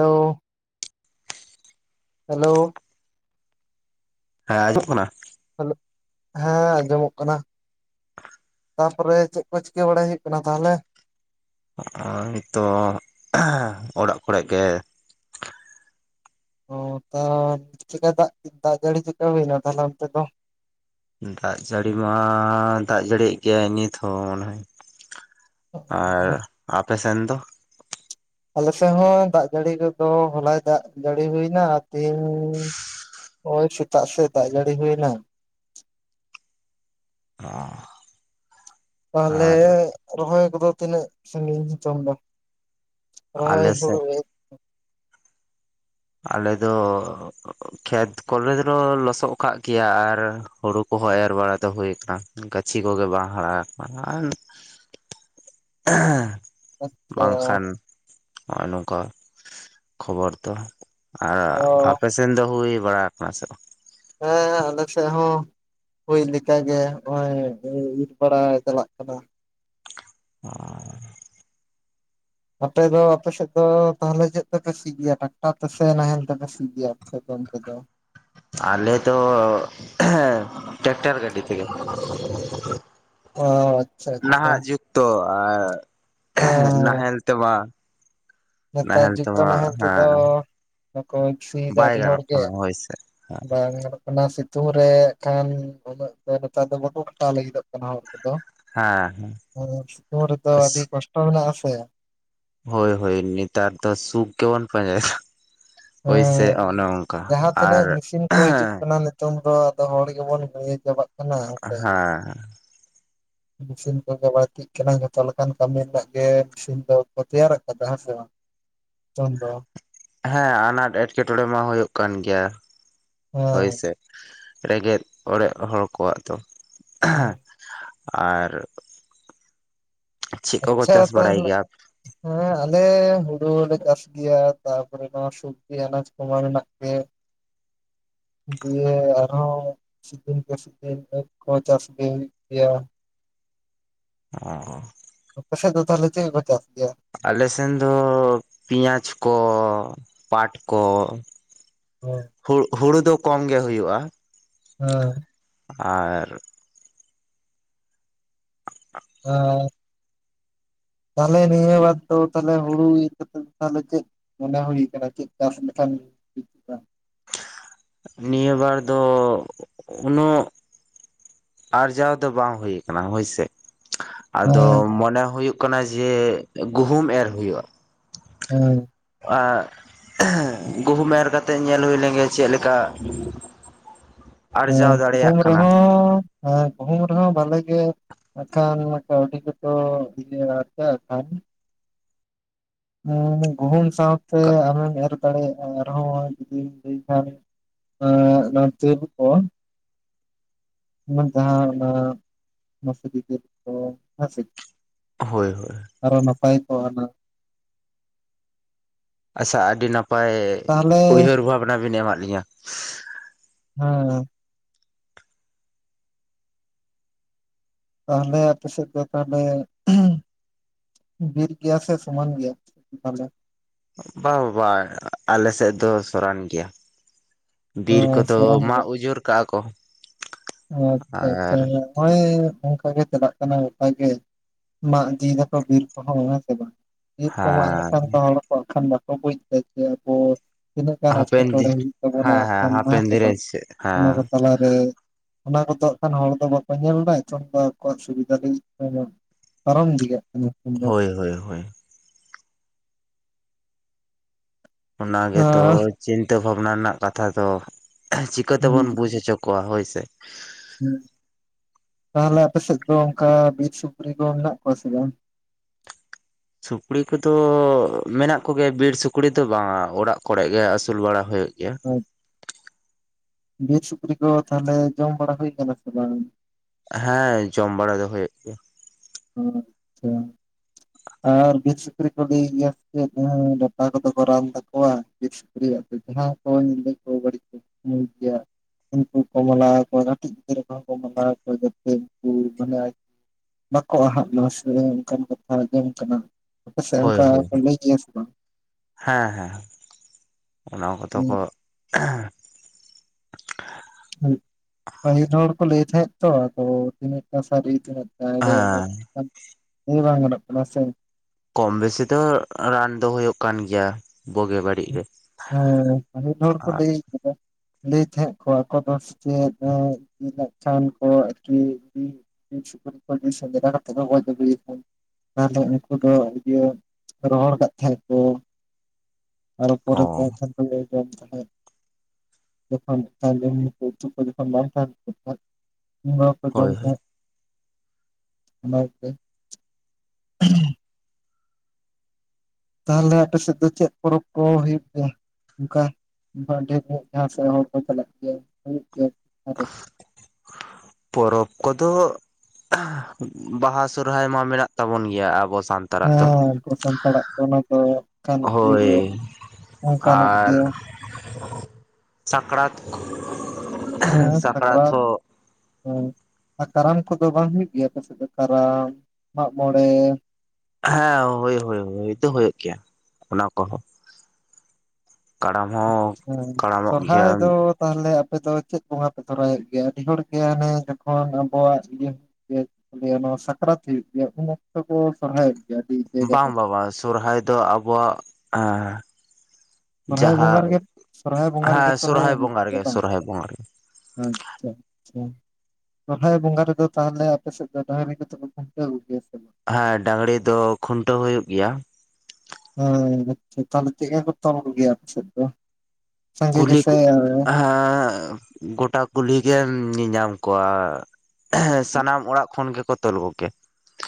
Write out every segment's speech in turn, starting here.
Hello hello ᱦᱮᱸ ᱟᱸᱡᱚᱢᱚᱜ ᱠᱟᱱᱟ ᱦᱮᱞᱳ, ᱦᱮᱸ ᱟᱸᱡᱚᱢᱚᱜ ᱠᱟᱱᱟ ᱛᱟᱯᱚᱨᱮ ᱪᱮᱫ ᱠᱚ ᱪᱤᱠᱟᱹ ᱵᱟᱲᱟᱭ ᱦᱩᱭᱩᱜ ᱠᱟᱱᱟ ᱛᱟᱦᱞᱮ ᱦᱚᱸᱜ-ᱚᱭ ᱱᱤᱛᱚᱜ ᱚᱲᱟᱜ ᱠᱚᱨᱮ ᱜᱮ ᱚ, ᱛᱚ ᱪᱮᱫᱠᱟ ᱫᱟᱜ, ᱫᱟᱜ ᱡᱟᱹᱲᱤ ᱪᱮᱫᱠᱟ ᱦᱩᱭᱱᱟ ᱛᱟᱦᱞᱮ ᱚᱱᱛᱮ ᱫᱚ ᱫᱟᱜ ᱡᱟᱹᱲᱤ ᱢᱟ ᱫᱟᱜ ᱡᱟᱹᱲᱤᱭᱮᱜ ᱜᱮᱭᱟᱭ ᱱᱤᱛᱦᱚᱸ ᱢᱚᱱᱮ ᱦᱚᱭ ᱟᱨ ᱟᱯᱮ ᱥᱮᱱ ᱫᱚ ᱟᱞᱮᱥᱮᱱ ᱦᱚᱸ ᱫᱟᱜ ᱡᱟᱹᱲᱤ ᱠᱚᱫᱚ ᱦᱚᱞᱟᱭ ᱫᱟᱜ ᱡᱟᱹᱲᱤ ᱦᱩᱭᱱᱟ ᱟᱨ ᱛᱤᱦᱤᱧ ᱳᱭ ᱥᱮᱛᱟᱜ ᱥᱮᱜ ᱫᱟᱜ ᱡᱟᱹᱲᱤ ᱦᱩᱭᱱᱟ ᱚ ᱛᱟᱦᱞᱮ ᱨᱚᱦᱚᱭ ᱠᱚᱫᱚ ᱛᱤᱱᱟᱹᱜ ᱥᱟᱹᱜᱤᱧ [unintelligible] ᱨᱚᱦᱚᱭ ᱟᱞᱮ ᱦᱩᱲᱩ ᱥᱮᱫ ᱟᱞᱮ ᱫᱚ ᱠᱷᱮᱛ ᱠᱚᱨᱮ ᱫᱚ ᱞᱚᱥᱚᱜ ᱠᱟᱜ ᱜᱮᱭᱟ ᱟᱨ ᱦᱩᱲᱩ ᱠᱚᱦᱚᱸ ᱮᱨ ᱵᱟᱲᱟ ᱫᱚ ᱦᱳᱭ ᱟᱠᱟᱱᱟ᱾ ᱜᱟᱹᱪᱷᱤ ᱠᱚᱜᱮ ᱵᱟᱝ ᱦᱟᱨᱟ ᱠᱟᱱᱟ ᱟᱨ [inaudible] ᱦᱮᱸ ᱟᱪᱪᱷᱟ ᱵᱟᱝᱠᱷᱟᱱ ᱦᱚᱸᱜᱼᱚᱭ ᱱᱚᱝᱠᱟ ᱠᱷᱚᱵᱚᱨ ᱫᱚ᱾ ᱟᱨ ᱚ ᱟᱯᱮᱥᱮᱱ ᱫᱚ ᱦᱩᱭ ᱵᱟᱲᱟ ᱟᱠᱟᱱᱟ ᱥᱮ ᱵᱟᱝ? ᱦᱮᱸ ᱟᱞᱮ ᱥᱮᱫ ᱦᱚᱸ ᱦᱩᱭ ᱞᱮᱠᱟᱜ ᱜᱮ ᱱᱚᱜᱼᱚᱭ ᱤᱨ ᱵᱟᱲᱟᱭ ᱪᱟᱞᱟᱜ ᱠᱟᱱᱟ᱾ ᱟᱨ [unintelligible] ᱟᱯᱮ ᱫᱚ ᱟᱯᱮᱥᱮᱫ ᱫᱚ ᱛᱟᱦᱚᱞᱮ ᱪᱮᱫ ᱛᱮᱯᱮ ᱥᱤᱭ ᱜᱮᱭᱟ ᱴᱟᱠᱴᱟᱨ ᱛᱮᱥᱮ ᱱᱟᱦᱮᱞ ᱛᱮᱯᱮ ᱥᱤ ᱜᱮᱭᱟ ᱟᱯᱮ ᱥᱮᱫ ᱫᱚ ᱚᱱᱛᱮ ᱫᱚ? ᱟᱞᱮ ᱫᱚ ᱴᱮᱠᱴᱟᱨ ᱜᱟᱹᱰᱤ ᱛᱮᱜᱮ᱾ ᱚ ᱟᱪᱪᱷᱟ ᱟᱪᱪᱷᱟ ᱱᱟᱦᱟᱜ ᱡᱩᱜᱽ ᱛᱚ ᱟ. ᱦᱮᱸ ᱱᱟᱦᱮᱞ ᱛᱮᱢᱟ᱾ ᱱᱮᱛᱟᱨ ᱱᱟᱦᱮᱞ ᱡᱩᱜᱽ ᱫᱚ ᱛᱮᱢᱟ ᱱᱟᱦᱮᱞ ᱛᱮᱫᱚ ᱦᱮᱸ ᱵᱟᱠᱩ ᱥᱩᱭᱤᱫᱟ ᱵᱟᱭ ᱟᱹᱰᱤ ᱦᱚᱲ ᱜᱟᱱᱚᱜ ᱜᱮ ᱠᱟᱱᱟ ᱦᱳᱭ ᱥᱮ ᱵᱟᱝ᱾ ᱚᱱᱟ ᱥᱤᱛᱩᱝ ᱨᱮ ᱠᱷᱟᱱ ᱩᱱᱟᱹᱜ ᱫᱚ ᱱᱮᱛᱟᱨ ᱫᱚ ᱵᱟᱠᱚ ᱠᱷᱟᱴᱟᱣ ᱞᱟᱹᱜᱤᱫᱚᱜ ᱠᱟᱱᱟ ᱦᱚᱲ ᱠᱚᱫᱚ᱾ ᱦᱮᱸ ᱦᱮᱸ ᱥᱤᱛᱩᱝ ᱨᱮᱫᱚ ᱟᱹᱰᱤ ᱠᱚᱥᱴᱚ ᱢᱮᱱᱟᱜ-ᱟ ᱥᱮ᱾ ᱦᱳᱭ ᱦᱳ ᱱᱮᱛᱟᱨ ᱫᱚ ᱥᱩᱠ ᱜᱮᱵᱚᱱ ᱯᱟᱡᱟᱭ᱾ ᱦᱮᱸ ᱡᱟᱦᱟᱸ ᱟᱨ ᱛᱤᱱᱟᱹᱜ ᱢᱮᱥᱤᱱ ᱠᱚ ᱦᱤᱡᱩᱜ ᱠᱟᱱᱟ ᱱᱤᱛᱚᱝ ᱫᱚ ᱟᱫᱚ ᱦᱚᱲ ᱜᱮᱵᱚᱱ ᱤᱭᱟᱹ ᱪᱟᱵᱟᱜ ᱠᱟᱱᱟ ᱛᱮ᱾ ᱦᱮᱸ ᱥ ᱜᱟᱵᱟ [unintelligible] ᱠᱟᱱᱟ ᱡᱚᱛᱚ ᱞᱮᱠᱟᱱ ᱠᱟᱹᱢᱤ ᱨᱮᱱᱟᱜ ᱜᱮ ᱢᱮᱥᱤᱱ ᱫᱚᱠᱚ ᱛᱮᱭᱟᱨ ᱟᱠᱟᱫᱟ ᱦᱮᱸ ᱥᱮ ᱵᱟᱝ ᱱᱤᱛᱚᱭ ᱫᱚ᱾ ᱦᱮᱸ ᱟᱱᱟᱴ ᱮᱴᱠᱮᱴᱚᱬᱮ ᱢᱟ ᱦᱩᱭᱩᱜ ᱠᱟᱱ ᱜᱮᱭᱟ ᱦᱮᱸ ᱦᱳᱭᱥᱮ᱾ ᱨᱮᱸᱜᱮᱡ ᱚᱲᱮᱡ ᱦᱚᱲ ᱠᱚᱣᱟᱜ ᱫᱚ᱾ ᱟᱨ ᱪᱮᱫ ᱠᱚᱠᱚ ᱟᱪᱪᱷᱟ ᱪᱟᱥ ᱵᱟᱲᱟᱭ ᱛᱟᱦᱚᱞᱮ᱾ ᱜᱮᱭᱟ ᱦᱮᱸ ᱟᱞᱮ ᱦᱩᱲᱩ ᱞᱮ ᱪᱟᱥ ᱜᱮᱭᱟ ᱛᱟᱯᱚᱨᱮ ᱱᱚᱣᱟ ᱥᱚᱵᱡᱤ ᱟᱱᱟᱡ ᱠᱚᱢᱟ ᱢᱮᱱᱟᱜ ᱜᱮ᱾ ᱫᱤᱭᱮ ᱟᱨᱦᱚᱸ ᱥᱤᱛᱩᱝ ᱠᱚ ᱥᱤᱛᱩᱝ ᱠᱚ ᱪᱟᱥ ᱜᱮ ᱦᱩᱭᱩᱜ ᱜᱮᱭᱟ ᱾ ᱚ ᱟᱯᱮᱥᱮ ᱫᱚ ᱛᱟᱦᱚᱞ ᱪᱮ ᱠᱚ ᱪᱟᱥ ᱜᱮᱭᱟᱹ ᱟᱞᱮ ᱥᱮᱱ ᱫᱚ ᱯᱮᱭᱟᱡᱽ ᱠᱚ ᱯᱟᱴ ᱠᱚ᱾ ᱦᱚ ᱦᱩᱲᱩ ᱫᱚ ᱠᱚᱢ ᱜᱮ ᱦᱩᱭᱩᱜᱼᱟ ᱾ ᱦᱮᱸ ᱟᱨ ᱚ [unintelligible] ᱛᱟᱦᱞᱮ ᱱᱤᱭᱟᱹ ᱵᱟᱫ ᱫᱚ ᱛᱟᱦᱚᱞᱮ ᱦᱩᱲᱩ ᱤᱨ ᱠᱟᱛᱮ ᱛᱟᱦᱚᱞᱮ ᱪᱮᱫ? ᱢᱚᱱᱮ ᱦᱩᱭ ᱟᱠᱟᱱ ᱪᱮᱫ ᱪᱟᱥ ᱞᱮᱠᱷᱟᱱ᱾ ᱱᱤᱭᱟᱹ ᱵᱟᱨ ᱫᱚ ᱩᱱᱟᱹᱜ ᱟᱨᱡᱟᱣ ᱫᱚ ᱵᱟᱝ ᱦᱩᱭ ᱠᱟᱱᱟ ᱦᱳᱭ ᱥᱮ ᱾ ᱟᱫᱚ ᱢᱚᱱᱮ ᱦᱩᱭᱩᱜ ᱠᱟᱱᱟ ᱡᱮ ᱜᱩᱦᱩᱢ ᱮᱨ ᱦᱩᱭᱩᱜᱼᱟ ᱾ ᱦᱮᱸ ᱟᱨ [unintelligible] ᱦᱮᱸ ᱜᱩᱦᱩᱢ ᱮᱨ ᱠᱟᱛᱮ ᱧᱮᱞ ᱦᱩᱭ ᱞᱮᱱ ᱜᱮ ᱪᱮᱫ ᱞᱮᱠᱟ? ᱦᱮᱸ ᱟᱨᱡᱟᱣ ᱫᱟᱲᱮᱭᱟᱜ ᱜᱩᱦᱩᱢ ᱠᱟᱱᱟ ᱨᱮᱦᱚᱸ ᱜᱩᱦᱩᱢ ᱨᱮᱦᱚᱸ ᱵᱷᱟᱞᱮ ᱜᱮ᱾ ᱟᱠᱷᱟᱱ ᱢᱟ ᱠᱟᱹᱣᱰᱤ [unintelligible] ᱠᱟᱣᱲᱤ ᱜᱮ ᱛᱚ ᱢᱮᱱᱟᱜ ᱛᱚ ᱟᱠᱷᱟᱱ ᱜᱩᱦᱩᱢ ᱥᱟᱶᱛᱮ ᱟᱢᱮᱢ ᱮᱨ ᱫᱟᱲᱮᱭᱟᱜᱼᱟ ᱟᱨᱦᱚᱸ ᱡᱩᱫᱤᱢ ᱞᱟᱹᱭ ᱠᱷᱟᱱ᱾ [unintelligible] ᱟᱨ ᱚᱱᱟ ᱱᱟ ᱛᱮᱞ ᱠᱚ ᱡᱟᱦᱟᱸ ᱚᱱᱟ [unintelligible] ᱦᱳᱭ ᱦᱳᱭ ᱟᱨᱚ ᱱᱟᱯᱟᱭ ᱠᱚᱜᱼᱟ ᱦᱟᱱᱟ ᱟᱪᱪᱷᱟ ᱟᱹᱰᱤ ᱱᱟᱯᱟᱭ ᱛᱟᱦᱚᱞᱮ ᱩᱭᱦᱟᱹᱨ ᱵᱷᱟᱵᱽᱱᱟ ᱵᱮᱱ ᱮᱢᱟᱫ ᱞᱤᱧᱟᱹ ᱾ ᱦᱮᱸ ᱛᱟᱦᱚᱞᱮ ᱟᱯᱮ ᱥᱮᱫ ᱫᱚ ᱛᱟᱦᱚᱞᱮ ᱵᱤᱨ ᱜᱮᱭᱟ ᱥᱮ ᱥᱚᱢᱟᱱ ᱜᱮᱭᱟ ᱛᱟᱦᱚᱞᱮ ᱵᱟ ᱵᱟ ᱟᱞᱮ ᱥᱮᱫ ᱫᱚ ᱥᱚᱨᱟᱱ ᱜᱮᱭᱟ ᱚ ᱵᱤᱨ ᱠᱚᱫᱚ ᱥᱚᱢᱟᱱ ᱜᱮᱭᱟ ᱢᱟᱜ ᱩᱡᱟᱹᱲ ᱠᱟᱜᱼᱟ ᱠᱚ ᱟᱪᱪᱷᱟ ᱟᱪᱪᱷᱟ ᱟᱨ ᱱᱚᱜᱼᱚᱭ ᱚᱱᱠᱟᱜ ᱜᱮ ᱪᱟᱞᱟᱜ ᱠᱟᱱᱟ ᱜᱚᱴᱟ ᱜᱮ ᱢᱟᱜ ᱤᱫᱤᱭ ᱫᱟᱠᱚ ᱵᱤᱨ ᱠᱚᱦᱚᱸ ᱵᱟᱝ ᱥᱮ ᱵᱟᱝ ᱵᱤᱨ ᱠᱚ ᱢᱟᱜ ᱦᱮᱸ ᱞᱮᱠᱷᱟᱱ ᱫᱚ ᱦᱚᱲᱠᱚᱜ ᱠᱷᱟᱱ ᱵᱟᱠᱚ ᱵᱩᱡ ᱮᱫᱟ ᱡᱮ ᱟᱵᱚ ᱛᱤᱱᱟᱹᱜ ᱜᱟᱱ ᱦᱟᱯᱮᱱ ᱮᱴᱠᱮᱴᱚᱬᱮ ᱫᱤᱱ ᱦᱩᱭᱩᱜ ᱛᱟᱵᱚᱱᱟ ᱦᱮᱸ ᱦᱮᱸ ᱠᱷᱟᱱ ᱢᱟ ᱦᱟᱯᱮᱱ ᱥᱮ ᱫᱤᱱ ᱨᱮ ᱵᱟᱝ ᱚᱱᱟ ᱠᱚ ᱦᱮᱸ ᱛᱟᱞᱟᱨᱮ ᱚᱱᱟ ᱠᱚᱫᱚ ᱦᱟᱸᱜ ᱠᱷᱟᱱ ᱦᱚᱲ ᱫᱚ ᱵᱟᱠᱚ ᱧᱮᱞᱫᱟ ᱮᱠᱷᱚᱱ ᱫᱚ ᱟᱠᱚᱣᱟᱜ ᱥᱩᱵᱤᱫᱷᱟ ᱞᱟᱹᱜᱤᱫ ᱯᱟᱨᱚᱢ ᱤᱫᱤᱭᱟ ᱦᱳᱭ ᱦᱳᱭ ᱦᱳᱭ ᱚᱱᱟ ᱜᱮᱛᱚ ᱟᱸ ᱪᱤᱱᱛᱟᱹ ᱵᱷᱟᱵᱱᱟ ᱨᱮᱱᱟᱜ ᱠᱟᱛᱷᱟ ᱫᱚ ᱪᱤᱠᱟᱹ ᱦᱩᱸ ᱛᱮᱵᱚᱱ ᱵᱩᱡ ᱦᱚᱪᱚ ᱠᱚᱣᱟ ᱠᱚᱣᱟ ᱦᱳᱭ ᱥᱮ ᱛᱟᱦᱚᱞᱮ ᱟᱯᱮ ᱥᱮᱫ ᱫᱚ ᱚᱱᱠᱟ ᱵᱤᱨ ᱥᱩᱠᱨᱤ ᱠᱚ ᱢᱮᱱᱟᱜ ᱠᱚᱣᱟ ᱥᱮ ᱵᱟᱝ ᱥᱩᱠᱨᱤ ᱠᱚᱫᱚ ᱢᱮᱱᱟᱜ ᱠᱚᱜᱮᱭᱟ ᱵᱤᱨ ᱥᱩᱠᱨᱤ ᱫᱚ ᱵᱟᱝᱟ ᱚᱲᱟᱜ ᱠᱚᱨᱮ ᱜᱮ ᱟᱹᱥᱩᱞ ᱵᱟᱲᱟ ᱦᱩᱭᱩᱜ ᱜᱮᱭᱟ [inaudible] ᱵᱤᱨ ᱥᱩᱠᱨᱤ ᱠᱚ ᱛᱟᱦᱚᱞᱮ ᱡᱚᱢ ᱵᱟᱲᱟ ᱦᱩᱭᱩ ᱟᱠᱟᱱᱟ ᱥᱮ ᱵᱟᱝ ᱦᱮᱸ ᱡᱚᱢ ᱵᱟᱲᱟ ᱫᱚ ᱦᱩᱭᱩᱜ ᱜᱮᱭᱟ ᱟᱪᱪᱷᱟ ᱟᱨ ᱵᱤᱨ ᱥᱩᱠᱨᱤ ᱠᱚ ᱞᱟᱹᱭ ᱜᱮᱭᱟ ᱥᱮ ᱪᱮᱫ ᱰᱟᱴᱟ ᱠᱚᱫᱚ ᱠᱚ ᱨᱟᱱ ᱛᱟᱠᱚᱣᱟ ᱵᱤᱨ ᱥᱩᱠᱨᱤ [unintelligible] ᱩᱱᱠᱩ ᱠᱚ ᱢᱟᱞᱟ ᱟᱠᱚᱣᱟ ᱠᱟᱹᱴᱤᱡ ᱜᱤᱫᱽᱨᱟᱹ ᱠᱚᱦᱚᱸ ᱠᱚ ᱢᱟᱞᱟ ᱡᱟᱛᱮ ᱩᱱᱠᱩ ᱢᱟᱱᱮ ᱵᱟᱠᱚ ᱟᱦᱟᱜ ᱢᱟ ᱥᱮ ᱚᱱᱠᱟᱱ ᱠᱟᱛᱷᱟ ᱟᱸᱡᱚᱢ ᱠᱟᱱᱟ ᱟᱯᱮ ᱥᱮᱫ ᱦᱳᱭ ᱚᱱᱠᱟ ᱦᱳᱭ ᱠᱚ ᱞᱟᱹᱭ ᱜᱮᱭᱟ ᱥᱮ ᱵᱟᱝ ᱦᱮᱸ ᱦᱮᱸ ᱚᱱᱟ ᱠᱚᱫᱚ ᱠᱚ ᱯᱟᱹᱦᱤᱞ ᱦᱚᱲ ᱠᱚ ᱞᱟᱹᱭ ᱛᱟᱦᱮᱸᱫ ᱛᱚ ᱟᱫᱚ ᱛᱤᱱᱟᱹᱜ ᱴᱟ ᱥᱟᱹᱨᱤ ᱛᱤᱱᱟᱹᱜ [unintelligible] ᱞᱟ. ᱦᱮᱸ ᱵᱟᱝ ᱜᱟᱱᱚᱜ ᱠᱟᱱᱟ ᱥᱮ ᱠᱚᱢ ᱵᱮᱥᱤ ᱫᱚ ᱨᱟᱱ ᱫᱚ ᱦᱩᱭᱩᱜ ᱠᱟᱱ ᱜᱮᱭᱟ ᱵᱩᱜᱤ ᱵᱟᱹᱲᱤ ᱦᱮᱸ ᱟᱹᱰᱤ ᱦᱚᱲ ᱠᱚ ᱞᱟᱹᱭ ᱠᱟᱫᱟ ᱞᱟᱹᱭ ᱛᱟᱦᱮᱸᱫ ᱠᱚ ᱟᱠᱚᱫᱚ ᱥᱮ ᱪᱮᱫ ᱮᱸ ᱠᱷᱟᱱ ᱠᱚ ᱟᱨᱠᱤ [unintelligible] ᱛᱟᱦᱚᱞᱮ ᱩᱱᱠᱩ ᱫᱚ ᱤᱭᱟᱹ ᱨᱚᱦᱚᱲ ᱟᱠᱟᱫ ᱛᱟᱦᱮᱸᱜ ᱠᱚ ᱟᱨᱚ ᱚ ᱯᱚᱨᱮᱛᱮᱠᱷᱟᱱ ᱫᱚᱞᱮ ᱡᱚᱢ ᱛᱟᱦᱮᱸᱫ [unintelligible] ᱡᱚᱠᱷᱟ ᱱᱟᱠᱷᱟᱱ ᱩᱛᱩ ᱠᱚ ᱵᱟᱝ [unintelligible] ᱠᱚ ᱡᱚᱢ ᱦᱳᱭ ᱦᱳᱭ ᱛᱟᱦᱮᱸᱫ ᱚᱱᱟᱛᱮ [inaudible] ᱛᱟᱦᱚᱞᱮ ᱟᱯᱮ ᱥᱮᱫ ᱫᱚ ᱪᱮᱫ ᱯᱚᱨᱚᱵᱽ ᱠᱚ ᱦᱩᱭᱩᱜ ᱜᱮᱭᱟ ᱚᱱᱠᱟ ᱰᱷᱮᱨ ᱡᱟᱦᱟᱸ ᱥᱮᱫ ᱦᱚᱲ ᱠᱚ ᱪᱟᱞᱟᱜ ᱜᱮᱭᱟ ᱦᱩᱭᱩᱜ ᱜᱮᱭᱟ ᱟᱨ ᱯᱚᱨᱚᱵ ᱠᱚᱫᱚ ᱵᱟᱦᱟ ᱥᱚᱦᱨᱟᱭ ᱢᱟ ᱢᱮᱱᱟᱜ ᱛᱟᱵᱚᱱ ᱜᱮᱭᱟ ᱟᱵᱚ ᱥᱟᱱᱛᱟᱲ ᱦᱮᱸ [inaudible] ᱥᱟᱱᱛᱟᱲᱟᱜ ᱫᱚ ᱚᱱᱟ ᱫᱚ ᱠᱟᱱ ᱜᱮ ᱦᱳᱭ ᱚᱱᱠᱟᱱᱟᱜ ᱜᱮ ᱟᱨ ᱥᱟᱠᱨᱟᱛ ᱦᱮᱸ ᱥᱟᱠᱨᱟᱛ ᱦᱮᱸ ᱟᱨ ᱠᱟᱨᱟᱢ ᱠᱚᱫᱚ ᱵᱟᱝ ᱦᱩᱭᱩᱜ ᱜᱮᱭᱟ ᱯᱟᱥᱮᱫ ᱫᱚ ᱠᱟᱨᱟᱢ ᱢᱟᱜ ᱢᱚᱬᱮ ᱦᱮᱸ ᱦᱳᱭ ᱦᱳᱭ ᱦᱩᱭ ᱫᱚ ᱦᱩᱭᱩᱜ ᱜᱮᱭᱟ ᱚᱱᱟ ᱠᱚᱦᱚᱸ ᱠᱟᱨᱟᱢ ᱦᱚᱸ ᱦᱮᱸ ᱠᱟᱨᱟᱢᱚᱜ ᱥᱚᱨᱦᱟᱭ ᱜᱮᱭᱟ ᱫᱚ ᱛᱟᱦᱚᱞᱮ ᱟᱯᱮ ᱫᱚ ᱪᱮᱫ ᱵᱚᱸᱜᱟ ᱯᱮ ᱛᱚᱨᱟᱭᱮᱫ ᱜᱮᱭᱟ ᱟᱹᱰᱤ ᱦᱚᱲᱜᱮ ᱦᱟᱱᱮ ᱡᱚᱠᱷᱚᱱ ᱟᱵᱚᱣᱟᱜ ᱤᱭᱟᱹ ᱱᱚᱣᱟ ᱥᱟᱠᱨᱟᱛ ᱦᱩᱭᱩᱜ ᱜᱮᱭᱟ ᱩᱱ ᱚᱠᱛᱚ ᱠᱚ ᱥᱚᱨᱦᱟᱭᱚᱜᱭᱟ ᱵᱟᱝ ᱵᱟᱝ ᱥᱚᱨᱦᱟᱭ ᱫᱚ ᱟᱵᱚᱣᱟᱜ ᱮ ᱥᱚᱨᱦᱟᱭ ᱵᱚᱸᱜᱟ ᱨᱮᱜᱮ ᱥᱚᱨᱦᱟᱭ ᱵᱚᱸᱜᱟ ᱨᱮᱜᱮ ᱥᱚᱨᱦᱟᱭᱟ ᱥᱚᱨᱦᱟᱭ ᱵᱚᱸᱜᱟ ᱨᱮᱜᱮ ᱵᱟᱝ ᱥᱚᱨᱦᱟᱭ ᱵᱚᱸᱜᱟ ᱨᱮᱜᱮ ᱟᱪᱪᱷᱟ ᱟᱪᱪᱷᱟ ᱥᱚᱨᱦᱟᱭ ᱵᱚᱸᱜᱟ ᱨᱮᱫᱚ ᱛᱟᱦᱚᱞᱮ ᱟᱯᱮ ᱥᱮᱫ ᱫᱚ ᱰᱟᱹᱦᱨᱤ ᱠᱚᱫᱚ ᱠᱚ ᱠᱷᱩᱱᱴᱟᱹᱣ ᱠᱚ ᱜᱮᱭᱟ ᱥᱮ ᱵᱟᱝ ᱦᱮᱸ ᱰᱟᱝᱨᱤ ᱫᱚ ᱠᱷᱩᱱᱴᱟᱹᱣ ᱦᱩᱭᱩᱜ ᱜᱮᱭᱟ ᱦᱮᱸ ᱟᱪᱪᱷᱟ ᱛᱟᱦᱚᱞᱮ ᱪᱮᱫ ᱠᱚ ᱛᱚᱞ ᱠᱚ ᱜᱮᱭᱟ ᱟᱯ ᱥᱮᱫ ᱫᱚ ᱥᱟᱸᱜᱮ ᱜᱮᱥᱮ ᱠᱩᱞᱤᱠᱩ [unintelligible] ᱜᱚᱴᱟ ᱠᱩᱞᱦᱤ ᱜᱮᱢ ᱧᱮᱧᱟᱢ ᱠᱚᱣᱟ ᱦᱮᱸ ᱥᱟᱱᱟᱢ ᱚᱲᱟᱜ ᱠᱷᱚᱱ ᱜᱮᱠᱚ ᱛᱚᱞ ᱠᱚ ᱜᱮᱭᱟ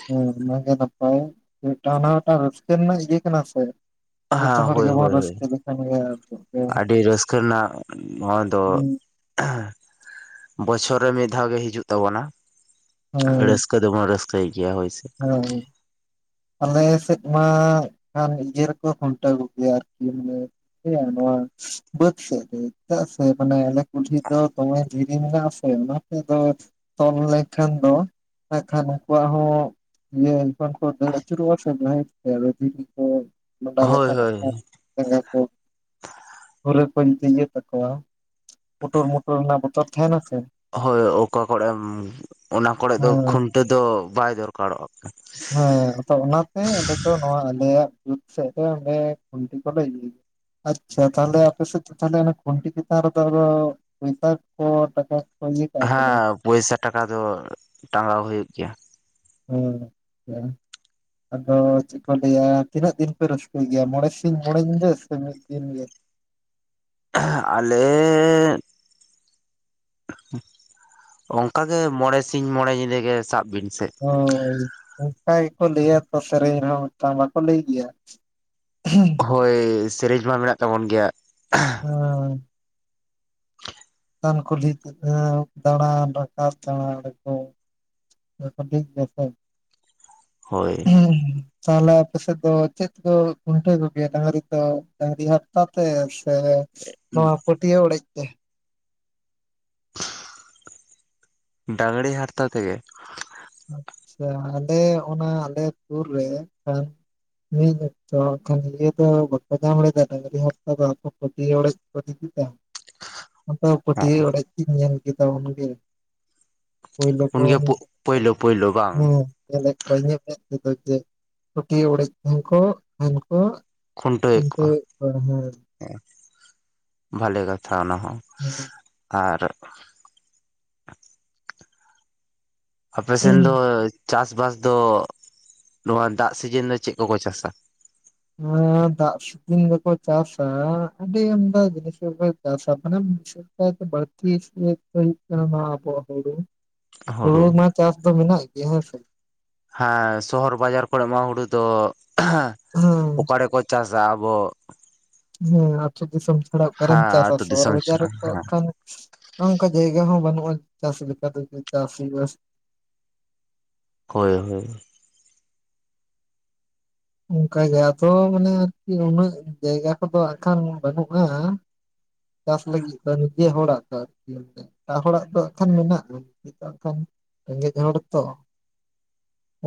ᱦᱮᱸ ᱚᱱᱟᱜᱮ ᱱᱟᱯᱟᱭ ᱢᱤᱴᱟᱝ ᱚᱱᱟ ᱦᱸ ᱢᱤᱴᱟᱝ ᱨᱟᱹᱥᱠᱟᱹ ᱨᱮᱱᱟᱜ ᱤᱭᱟᱹ ᱠᱟᱱᱟ ᱥᱮ ᱡᱚᱛᱚ ᱦᱮᱸ ᱦᱚᱲ ᱦᱳᱭ ᱜᱮᱵᱚᱱ ᱦᱳᱭ ᱨᱟᱹᱥᱠᱟᱹ ᱞᱮᱠᱷᱟᱱ ᱜᱮ ᱦᱩᱸ ᱟᱹᱰᱤ ᱨᱟᱹᱥᱠᱟᱹ ᱨᱮᱱᱟᱜ ᱱᱚᱣᱟ ᱫᱚ [unintelligible] ᱵᱚᱪᱷᱚᱨ ᱨᱮ ᱢᱤᱫ ᱫᱷᱟᱣ ᱜᱮ ᱦᱤᱡᱩᱜ ᱛᱟᱵᱚᱱᱟ ᱨᱟᱹᱥᱠᱟᱹ ᱨᱟᱥᱠᱟᱹ ᱫᱚᱵᱚᱱ ᱨᱚᱥᱠᱟᱹᱭ ᱜᱮᱭᱟ ᱦᱳᱭ ᱥᱮ ᱦᱮᱸ ᱦᱮᱸ ᱟᱞᱮ ᱥᱮᱫ ᱢᱟ ᱮᱠᱷᱟᱱ ᱤᱭᱟᱹ ᱨᱮᱠᱚ ᱠᱷᱩᱱᱴᱟᱹᱣ ᱠᱚᱜᱮᱭᱟ ᱟᱨᱠᱤ ᱢᱟᱱᱮ ᱱᱚᱣᱟ ᱵᱟᱹᱫ ᱥᱮᱫ ᱨᱮ ᱪᱮᱫᱟᱜ ᱥᱮ ᱢᱟᱱᱮ ᱟᱠᱮ ᱠᱩᱞᱦᱤ ᱫᱚ ᱫᱚᱢᱮ [unintelligible] ᱢᱮᱱᱟᱜ ᱟᱥᱮ ᱚᱱᱟᱛᱮ ᱫᱚ ᱛᱚᱞ ᱞᱮᱱᱠᱷᱟᱱ ᱫᱚ ᱟᱠᱷᱟᱱ ᱩᱱᱠᱩᱣᱟᱜ ᱦᱚᱸ ᱤᱭᱟᱹ ᱡᱚᱠᱷᱚᱱ ᱠᱚ ᱫᱟᱹᱲ ᱟᱪᱩᱨᱚᱜ ᱟ ᱥᱮ ᱡᱟᱦᱟᱭ [unintelligible] ᱠᱚ ᱦᱳᱭ ᱦᱳᱭ [unintelligible] ᱯᱮᱱᱮ ᱠᱚ [unintelligible] ᱼᱼᱼᱼ ᱛᱟᱠᱚᱣᱟ ᱯᱩᱴᱩᱨ ᱢᱩᱴᱩᱨ ᱨᱮᱱᱟᱜ ᱵᱚᱛᱚᱨ ᱛᱟᱦᱮᱸᱱᱟ ᱥᱮ ᱦᱳᱭ ᱚᱠᱟ ᱠᱚᱨᱮᱢ ᱚᱱᱟ ᱠᱚᱨᱮ ᱫᱚ ᱦᱮᱸ ᱠᱷᱩᱱᱴᱟᱹᱣ ᱫᱚ ᱵᱟᱭ ᱫᱚᱨᱠᱟᱨᱚᱜᱼᱟ ᱦᱮᱸ ᱟᱫᱚ ᱚᱱᱟᱛᱮ ᱟᱞᱮ ᱫᱚ ᱱᱚᱣᱟ ᱟᱞᱮᱭᱟᱜ ᱡᱩᱛ ᱥᱮᱫ ᱨᱮ ᱠᱷᱩᱱᱴᱤ ᱠᱚᱞᱮ ᱤᱭᱟᱹ ᱜᱮᱭᱟ ᱟᱪᱪᱷᱟ ᱛᱟᱦᱚᱞᱮ ᱟᱯᱮ ᱥᱮᱫ ᱛᱟᱦᱮ ᱠᱷᱩᱱᱴᱤ ᱪᱮᱛᱟᱱ ᱨᱮᱫᱚ ᱟᱫᱚ ᱯᱚᱭᱥᱟ ᱠᱚ ᱴᱟᱠᱟ ᱠᱚ ᱤᱭᱟᱹ ᱠᱟᱜᱼᱟ ᱥᱮ ᱵᱟᱝ ᱦᱮᱸ ᱯᱚᱭᱥᱟ ᱴᱟᱠᱟ ᱫᱚ ᱴᱟᱸᱜᱟᱣ ᱦᱩᱭᱩᱜ ᱜᱮᱭᱟ ᱦᱮ [unintelligible] ᱟᱫᱚ ᱪᱮᱫ ᱠᱚ ᱞᱟᱹᱭᱟ ᱛᱤᱱᱟᱹᱜ ᱫᱤᱱ ᱯᱮ ᱨᱟᱹᱥᱠᱟᱹᱭ ᱜᱮᱭᱟ ᱢᱚᱬᱮ ᱥᱤᱧ ᱢᱚᱬᱮ ᱧᱤᱫᱟᱹ ᱥᱮ ᱢᱤᱫ ᱫᱤᱱ ᱜᱮ ᱟᱞᱮ ᱚᱱᱠᱟ ᱜᱮ ᱢᱚᱬᱮ ᱥᱤᱧ ᱢᱚᱬᱮ ᱧᱤᱫᱟᱹ ᱜᱮ ᱥᱟᱵ ᱵᱤᱱ ᱥᱮ ᱦᱳᱭ ᱚᱱᱠᱟ ᱜᱮᱠᱚ ᱞᱟᱹᱭᱟ ᱛᱚ ᱥᱮᱨᱮᱧ ᱨᱮᱦᱚᱸ ᱢᱤᱫᱴᱟᱝ ᱵᱟᱠᱚ ᱞᱟᱹᱭ ᱜᱮᱭᱟ [unintelligible] ᱦᱳᱭ ᱥᱮᱨᱮᱧ ᱢᱟ ᱢᱮᱱᱟᱜ ᱛᱟᱵᱚᱱ ᱜᱮᱭᱟ ᱪᱮᱛᱟᱱ ᱠᱩᱞᱦᱤ ᱫᱟᱬᱟᱱ ᱨᱟᱠᱟᱵ ᱫᱟᱬᱟ ᱨᱟᱡᱟᱵ [unintelligible] ᱴᱷᱤᱠ ᱜᱮ ᱥᱮ ᱦᱳᱭ [unintelligible] ᱛᱟᱦᱚᱞᱮ ᱟᱯᱮ ᱥᱮᱫ ᱫᱚ ᱪᱮᱫᱠᱚ ᱠᱷᱩᱱᱴᱟᱹᱣ ᱠᱚᱜᱮᱭᱟ ᱰᱟᱝᱨᱤ ᱫᱚ ᱰᱟᱹᱝᱨᱤ ᱦᱟᱨᱛᱟ ᱛᱮ ᱥᱮ ᱱᱚᱣᱟ ᱯᱟᱹᱴᱭᱟᱹ ᱚᱲᱮᱡ ᱛᱮ [unintelligible] ᱰᱟᱝᱨᱤ ᱦᱟᱨᱛᱟ ᱛᱮ ᱜᱮ ᱟᱪᱪᱷᱟ ᱟᱞᱮ ᱚᱱᱟ ᱟᱞᱮ ᱥᱩᱨ ᱨᱮ ᱠᱷᱟᱱ ᱢᱤᱫ ᱚᱠᱛᱚ ᱠᱷᱟᱱ ᱤᱭᱟᱹ ᱫᱚ ᱵᱟᱠᱚᱧᱟᱢ ᱞᱮᱫᱟ ᱰᱟᱝᱨᱤ ᱦᱟᱨᱛᱟ ᱫᱚ ᱯᱟᱹᱴᱤᱭᱟᱹ ᱚᱲᱮᱡ [unintelligible] ᱟᱫᱚ ᱦᱮᱸ ᱯᱟᱹᱴᱭᱟᱹ ᱚᱲᱮᱡ ᱛᱤᱧ ᱧᱮᱞ ᱠᱮᱫᱟ ᱩᱱᱜᱮ ᱯᱳᱭᱞᱳ ᱠᱚ ᱩᱱ ᱜᱮ ᱯᱳᱭᱞᱳ ᱯᱳᱭᱞᱳ ᱵᱟᱝ ᱦᱮᱸ ᱧᱮᱞᱮᱫ ᱠᱚᱣᱟᱧ ᱤᱧᱟ ᱢᱮᱫ ᱛᱮᱫᱚ ᱡᱮ ᱯᱟᱹᱴᱤᱭᱟᱹ ᱚᱲᱮᱡ ᱛᱟᱦᱮᱱ ᱠᱚ [unintelligible] ᱠᱷᱩᱱᱴᱟᱹᱣᱮᱫ ᱠᱚᱣᱟ ᱦᱮᱸ ᱵᱷᱟᱞᱮ ᱠᱟᱛᱷᱟ ᱚᱱᱟ ᱦᱚᱸ [inaudible] ᱟᱨ ᱟᱯᱮᱥᱮᱱ ᱦᱮᱸ ᱫᱚ ᱪᱟᱥ ᱵᱟᱥ ᱫᱚ ᱱᱚᱣᱟ ᱫᱟᱜ ᱥᱤᱡᱤᱱ ᱫᱚ ᱪᱮᱫ ᱠᱚᱠᱚ ᱪᱟᱥᱟ ᱱᱚᱣᱟ ᱫᱟᱜ ᱫᱤᱱ ᱫᱚᱠᱚ ᱪᱟᱥᱟ ᱟᱹᱰᱤ ᱟᱢᱫᱟ ᱡᱤᱱᱤᱥ ᱜᱮᱠᱚ ᱪᱟᱥᱟ ᱢᱟᱱᱮ ᱚᱠᱟ ᱫᱚ ᱵᱷᱟᱹᱲᱛᱤ ᱦᱩᱭᱩᱜ ᱠᱟᱱᱟ ᱦᱟᱜ ᱟᱵᱚᱣᱟᱜ ᱦᱩᱲᱩ ᱦᱩᱲᱩ ᱢᱟ ᱪᱟᱥ ᱫᱚ ᱢᱮᱱᱟᱜ ᱜᱮ ᱦᱮᱸ ᱥᱮ, ᱦᱮᱸ ᱥᱚᱦᱚᱨ ᱵᱟᱡᱟᱨ ᱠᱚᱨᱮ ᱢᱟ ᱦᱩᱲᱩ ᱫᱚ ᱦᱮᱸ ᱚᱠᱟᱮᱠᱚ ᱪᱟᱥ ᱪᱟᱥᱟ ᱟᱵᱚ, ᱦᱮᱸ ᱟᱛᱩ ᱫᱤᱥᱚᱢ ᱪᱷᱟᱲᱟ ᱚᱠᱟᱨᱮᱢ ᱦᱮᱸ ᱪᱟᱥᱟ ᱟᱹᱛᱩ ᱥᱚᱦᱚᱨ ᱫᱤᱥᱚᱢ ᱵᱟᱡᱟᱨ ᱥᱮᱱᱟᱜ ᱨᱮᱫᱚ ᱦᱮᱸ ᱠᱷᱟᱱ, ᱚᱱᱠᱟ ᱡᱟᱭᱜᱟ ᱦᱚᱸ ᱵᱟᱹᱱᱩᱜᱼᱟ ᱪᱟᱥ ᱞᱮᱠᱟᱛᱮ ᱪᱟᱥ ᱦᱩᱭᱩᱜ ᱟ ᱥᱮ, ᱦᱳᱭ ᱦᱳᱭ, ᱚᱱᱠᱟ ᱜᱮ ᱟᱫᱚ ᱢᱟᱱᱮ ᱟᱨᱠᱤ ᱩᱱᱟᱹᱜ ᱡᱟᱭᱜᱟ ᱠᱚᱫᱚ ᱦᱟᱜᱠᱷᱟᱱ ᱵᱟᱹᱱᱩᱜᱼᱟ᱾ ᱪᱟᱥ ᱞᱟᱹᱜᱤᱫ ᱫᱚ ᱱᱤᱡᱮ ᱦᱚᱲᱟᱜ ᱫᱚ ᱟᱨᱠᱤ, ᱮᱴᱟᱜ ᱦᱚᱲᱟᱜ ᱫᱚ ᱦᱟᱜ ᱠᱷᱟᱱ ᱢᱮᱱᱟᱜᱼᱟ ᱱᱚᱜ ᱦᱟᱜ ᱠᱷᱟᱱ ᱨᱮᱸᱜᱮᱡ ᱦᱚᱲ ᱛᱚ᱾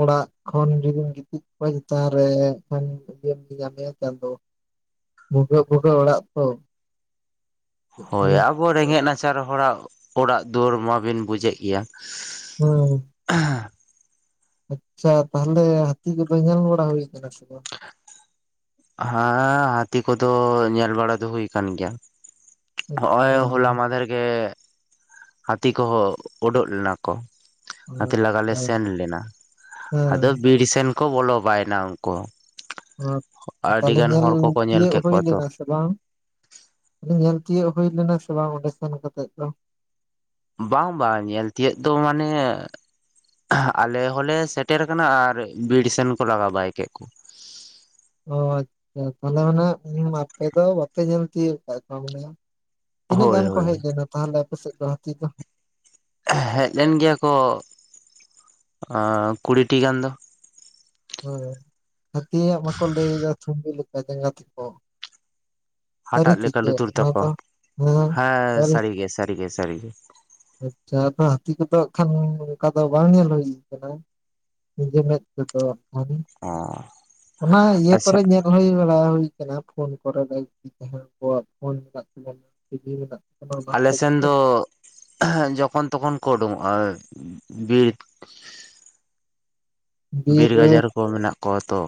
ᱚᱲᱟᱜ ᱠᱷᱚᱱ ᱡᱩᱫᱤᱢ ᱜᱤᱛᱤᱡ ᱠᱚᱜᱼᱟ ᱤᱡ ᱪᱮᱛᱟᱱ ᱨᱮ ᱠᱷᱟᱱ ᱤᱭᱟᱹᱢ ᱧᱮᱞ ᱧᱟᱢᱮᱭᱟ ᱪᱟᱸᱫᱚ ᱵᱷᱩᱜᱟᱹᱜ ᱵᱷᱩᱜᱟᱹᱜ ᱚᱲᱟᱜ ᱛᱚ᱾ ᱦᱮᱸ ᱦᱳᱭ ᱟᱵᱚ ᱨᱮᱸᱜᱮᱡ ᱱᱟᱪᱟᱨ ᱦᱚᱲᱟᱜ ᱚᱲᱟᱜ ᱫᱩᱣᱟᱹᱨ ᱢᱟᱵᱤᱱ ᱵᱩᱡᱮᱜ ᱜᱮᱭᱟ᱾ ᱦᱩᱸ᱾ [unintelligible] ᱟᱪᱪᱷᱟ ᱛᱟᱦᱞᱮ ᱦᱟᱹᱛᱤ ᱠᱚᱫᱚ ᱧᱮᱞ ᱵᱟᱲᱟ ᱦᱩᱭ ᱠᱟᱱᱟ ᱥᱮ ᱵᱟᱝ? ᱦᱮᱸ ᱦᱟᱹᱛᱤ ᱠᱚᱫᱚ ᱧᱮᱞ ᱵᱟᱲᱟ ᱫᱚ ᱦᱩᱭ ᱟᱠᱟᱱ ᱜᱮᱭᱟ᱾ ᱦᱚᱜ ᱚᱭ ᱟᱪᱪᱷᱟ ᱦᱚᱞᱟ ᱢᱟᱫᱷᱮᱨ ᱜᱮ ᱦᱟᱹᱛᱤ ᱠᱚᱦᱚᱸ ᱳᱰᱳᱠ ᱞᱮᱱᱟ ᱠᱚ᱾ ᱦᱟᱹᱛᱤ ᱞᱟᱜᱟ ᱞᱮ ᱟᱪᱪᱷᱟ ᱥᱮᱱ ᱞᱮᱱᱟ ᱟᱫᱚ ᱵᱤᱨ ᱥᱮᱱ ᱠᱚ ᱵᱚᱞᱚ ᱵᱟᱭᱮᱱᱟ ᱩᱱᱠᱩ ᱦᱚᱸ ᱛᱟᱦᱞᱮ ᱧᱮᱞ ᱧᱮᱞ ᱛᱤᱭᱟᱹᱜ ᱠᱮᱫ ᱦᱩᱭ ᱠᱚᱣᱟ ᱛᱚ ᱞᱮᱱᱟ ᱥᱮ ᱥᱮ ᱵᱟᱝ ᱧᱮᱞ ᱛᱤᱭᱳᱟᱹᱜ ᱦᱩᱭ ᱞᱮᱱᱟ ᱥᱮ ᱵᱟᱝ ᱚᱸᱰᱮ ᱥᱮᱱ ᱠᱟᱛᱮᱜ ᱫᱚ? ᱵᱟᱝ ᱵᱟᱝ ᱧᱮᱞ ᱛᱤᱭᱳᱜ ᱫᱚ ᱢᱟᱱᱮ ᱟᱞᱮ ᱦᱚᱞᱮ ᱥᱮᱴᱮᱨ ᱟᱠᱟᱱᱟ ᱟᱨ ᱵᱤᱨ ᱥᱮᱱ ᱠᱚ ᱞᱟᱜᱟ ᱵᱟᱭ ᱠᱮᱜ ᱠᱚ᱾ ᱚ ᱟᱪᱪᱷᱟ ᱛᱟᱦᱚᱞᱮ ᱚᱱᱟ ᱟᱯᱮ ᱫᱚ ᱵᱟᱯᱮ ᱧᱮᱞ ᱛᱤᱭᱳᱜ ᱠᱟᱜ ᱠᱚᱣᱟ ᱵᱚᱞᱮᱭᱟ, ᱛᱤᱱᱟᱹᱜ ᱦᱳᱭ ᱜᱟᱱ ᱠᱚ ᱦᱳᱭ ᱦᱮᱡ ᱞᱮᱱᱟ ᱛᱟᱦᱚᱞᱮ ᱟᱯᱮ ᱥᱮᱜ ᱫᱚ ᱦᱟᱹᱛᱤ ᱫᱚ? ᱦᱮᱡ ᱞᱮᱱ ᱜᱮᱭᱟ ᱠᱚ ᱠᱩᱲᱤᱴᱤ ᱜᱟᱱ ᱫᱚ, ᱦᱮᱸ ᱦᱟᱹᱛᱤᱭᱟᱜ ᱢᱟᱠᱚ ᱞᱟᱹᱭᱫᱟ ᱪᱷᱩᱢᱵᱤ ᱞᱮᱠᱟ ᱡᱟᱸᱜᱟ ᱛᱟᱠᱚ, ᱥᱟᱹᱨᱤ ᱦᱟᱴᱟᱜ ᱥᱮ ᱞᱮᱠᱟ ᱪᱮᱫ ᱞᱩᱛᱩᱨ ᱚᱱᱟ ᱛᱟᱠᱚ ᱫᱚ ᱦᱮᱸ ᱥᱟᱹᱨᱤᱜᱮ ᱥᱟᱹᱨᱤᱜᱮ ᱥᱟᱹᱨᱤᱜᱮ, ᱟᱪᱪᱷᱟ ᱟᱫᱚ ᱦᱟᱹᱛᱤ ᱠᱚᱫᱚ ᱦᱟᱜ ᱠᱷᱟᱱ ᱚᱱᱠᱟ ᱫᱚ ᱵᱟᱝ ᱧᱮᱞ ᱦᱩᱭᱩ ᱟᱠᱟᱱᱟ᱾ ᱱᱤᱡᱮ ᱢᱮᱫ ᱛᱮᱫᱚ ᱟᱣᱨᱤ ᱚ ᱚᱱᱟ ᱤᱭᱟᱹ ᱟᱪᱪᱷᱟ ᱠᱚᱨᱮ ᱧᱮᱞ [unintelligible] ᱦᱩᱭ ᱵᱟᱲᱟ ᱦᱩᱭ ᱟᱠᱟᱱᱟ ᱯᱷᱳᱱ ᱠᱚᱨᱮ ᱫᱚ ᱡᱟᱦᱟᱸᱣ ᱠᱚ ᱟᱜ ᱯᱷᱳᱱ ᱢᱮᱱᱟᱜ ᱛᱟᱵᱚᱱᱟ ᱴᱤᱵᱷᱤ ᱢᱮᱱᱟᱜ ᱛᱟᱵᱚᱱᱟ, ᱚᱱᱟ ᱟᱞᱮ ᱠᱚᱨᱮ ᱜᱮ ᱥᱮᱱ ᱫᱚ [inaudible] ᱡᱚᱠᱷᱚᱱ ᱛᱚᱠᱷᱚᱱ ᱠᱚ ᱚᱱᱰᱳᱝᱚᱜ-ᱟ ᱵᱤᱨ ᱵᱤᱨ ᱜᱟᱡᱟᱲ ᱠᱚ ᱢᱮᱱᱟᱜ ᱠᱚᱣᱟ ᱛᱚ,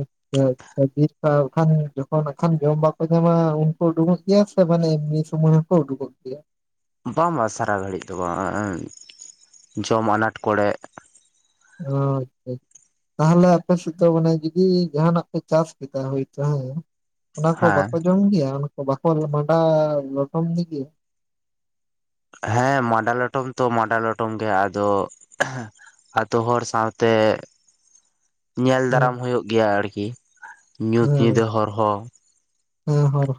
ᱟᱪᱪᱷᱟ ᱟᱪᱪᱷᱟ ᱵᱤᱨ ᱠᱷᱟᱱ ᱟᱠᱷᱟᱱ ᱡᱚᱠᱷᱚᱱ ᱱᱟᱜ ᱠᱷᱟᱱ ᱡᱚᱢ ᱵᱟᱠᱚ ᱧᱟᱢᱟ ᱩᱱᱠᱩ ᱩᱸᱰᱩᱝᱚᱜ ᱜᱮᱭᱟ ᱥᱮ ᱢᱟᱱᱮ ᱮᱢᱱᱤ ᱥᱚᱢᱚᱭ ᱦᱚᱸᱠᱚ ᱩᱰᱩᱠᱚᱜ ᱜᱮᱭᱟ? ᱵᱟᱝ ᱵᱟᱝ ᱥᱟᱨᱟ ᱜᱷᱟᱹᱲᱤᱡ ᱫᱚ ᱵᱟᱝ ᱡᱚᱢ ᱟᱱᱟᱴ ᱠᱚᱨᱮ, [unintelligible] ᱛᱟᱦᱚᱞᱮ ᱟᱯᱮ ᱥᱮᱜ ᱫᱚ ᱢᱟᱱᱮ ᱡᱩᱫᱤ ᱡᱟᱦᱱᱟᱜ ᱯᱮ ᱪᱟᱥ ᱠᱮᱫᱟ ᱦᱳᱭᱛᱳ ᱦᱮᱸ, ᱚᱱᱟᱠᱚ ᱦᱮᱸ ᱵᱟᱠᱚ ᱡᱚᱢᱜᱭᱟ ᱚᱱᱟᱠᱚ ᱵᱟᱠᱚ ᱢᱟᱸᱰᱟ ᱞᱚᱴᱚᱢ ᱜᱮᱭᱟ? ᱦᱮᱸ ᱢᱟᱸᱰᱟ ᱞᱚᱴᱚᱢ ᱛᱚ ᱢᱟᱸᱰᱟ ᱞᱚᱴᱚᱢ ᱜᱮ ᱟᱫᱚ ᱟᱛᱳ ᱦᱚᱲ ᱥᱟᱶᱛᱮ, [inaudible] ᱧᱮᱞ ᱦᱮᱸ ᱫᱟᱨᱟᱢ ᱦᱩᱭᱩᱜ ᱜᱮᱭᱟ ᱟᱨᱠᱤ ᱧᱩᱛ ᱦᱮᱸ ᱧᱤᱫᱟᱹ ᱦᱚᱨ ᱦᱚᱸ᱾ ᱦᱮᱸ ᱦᱚᱨ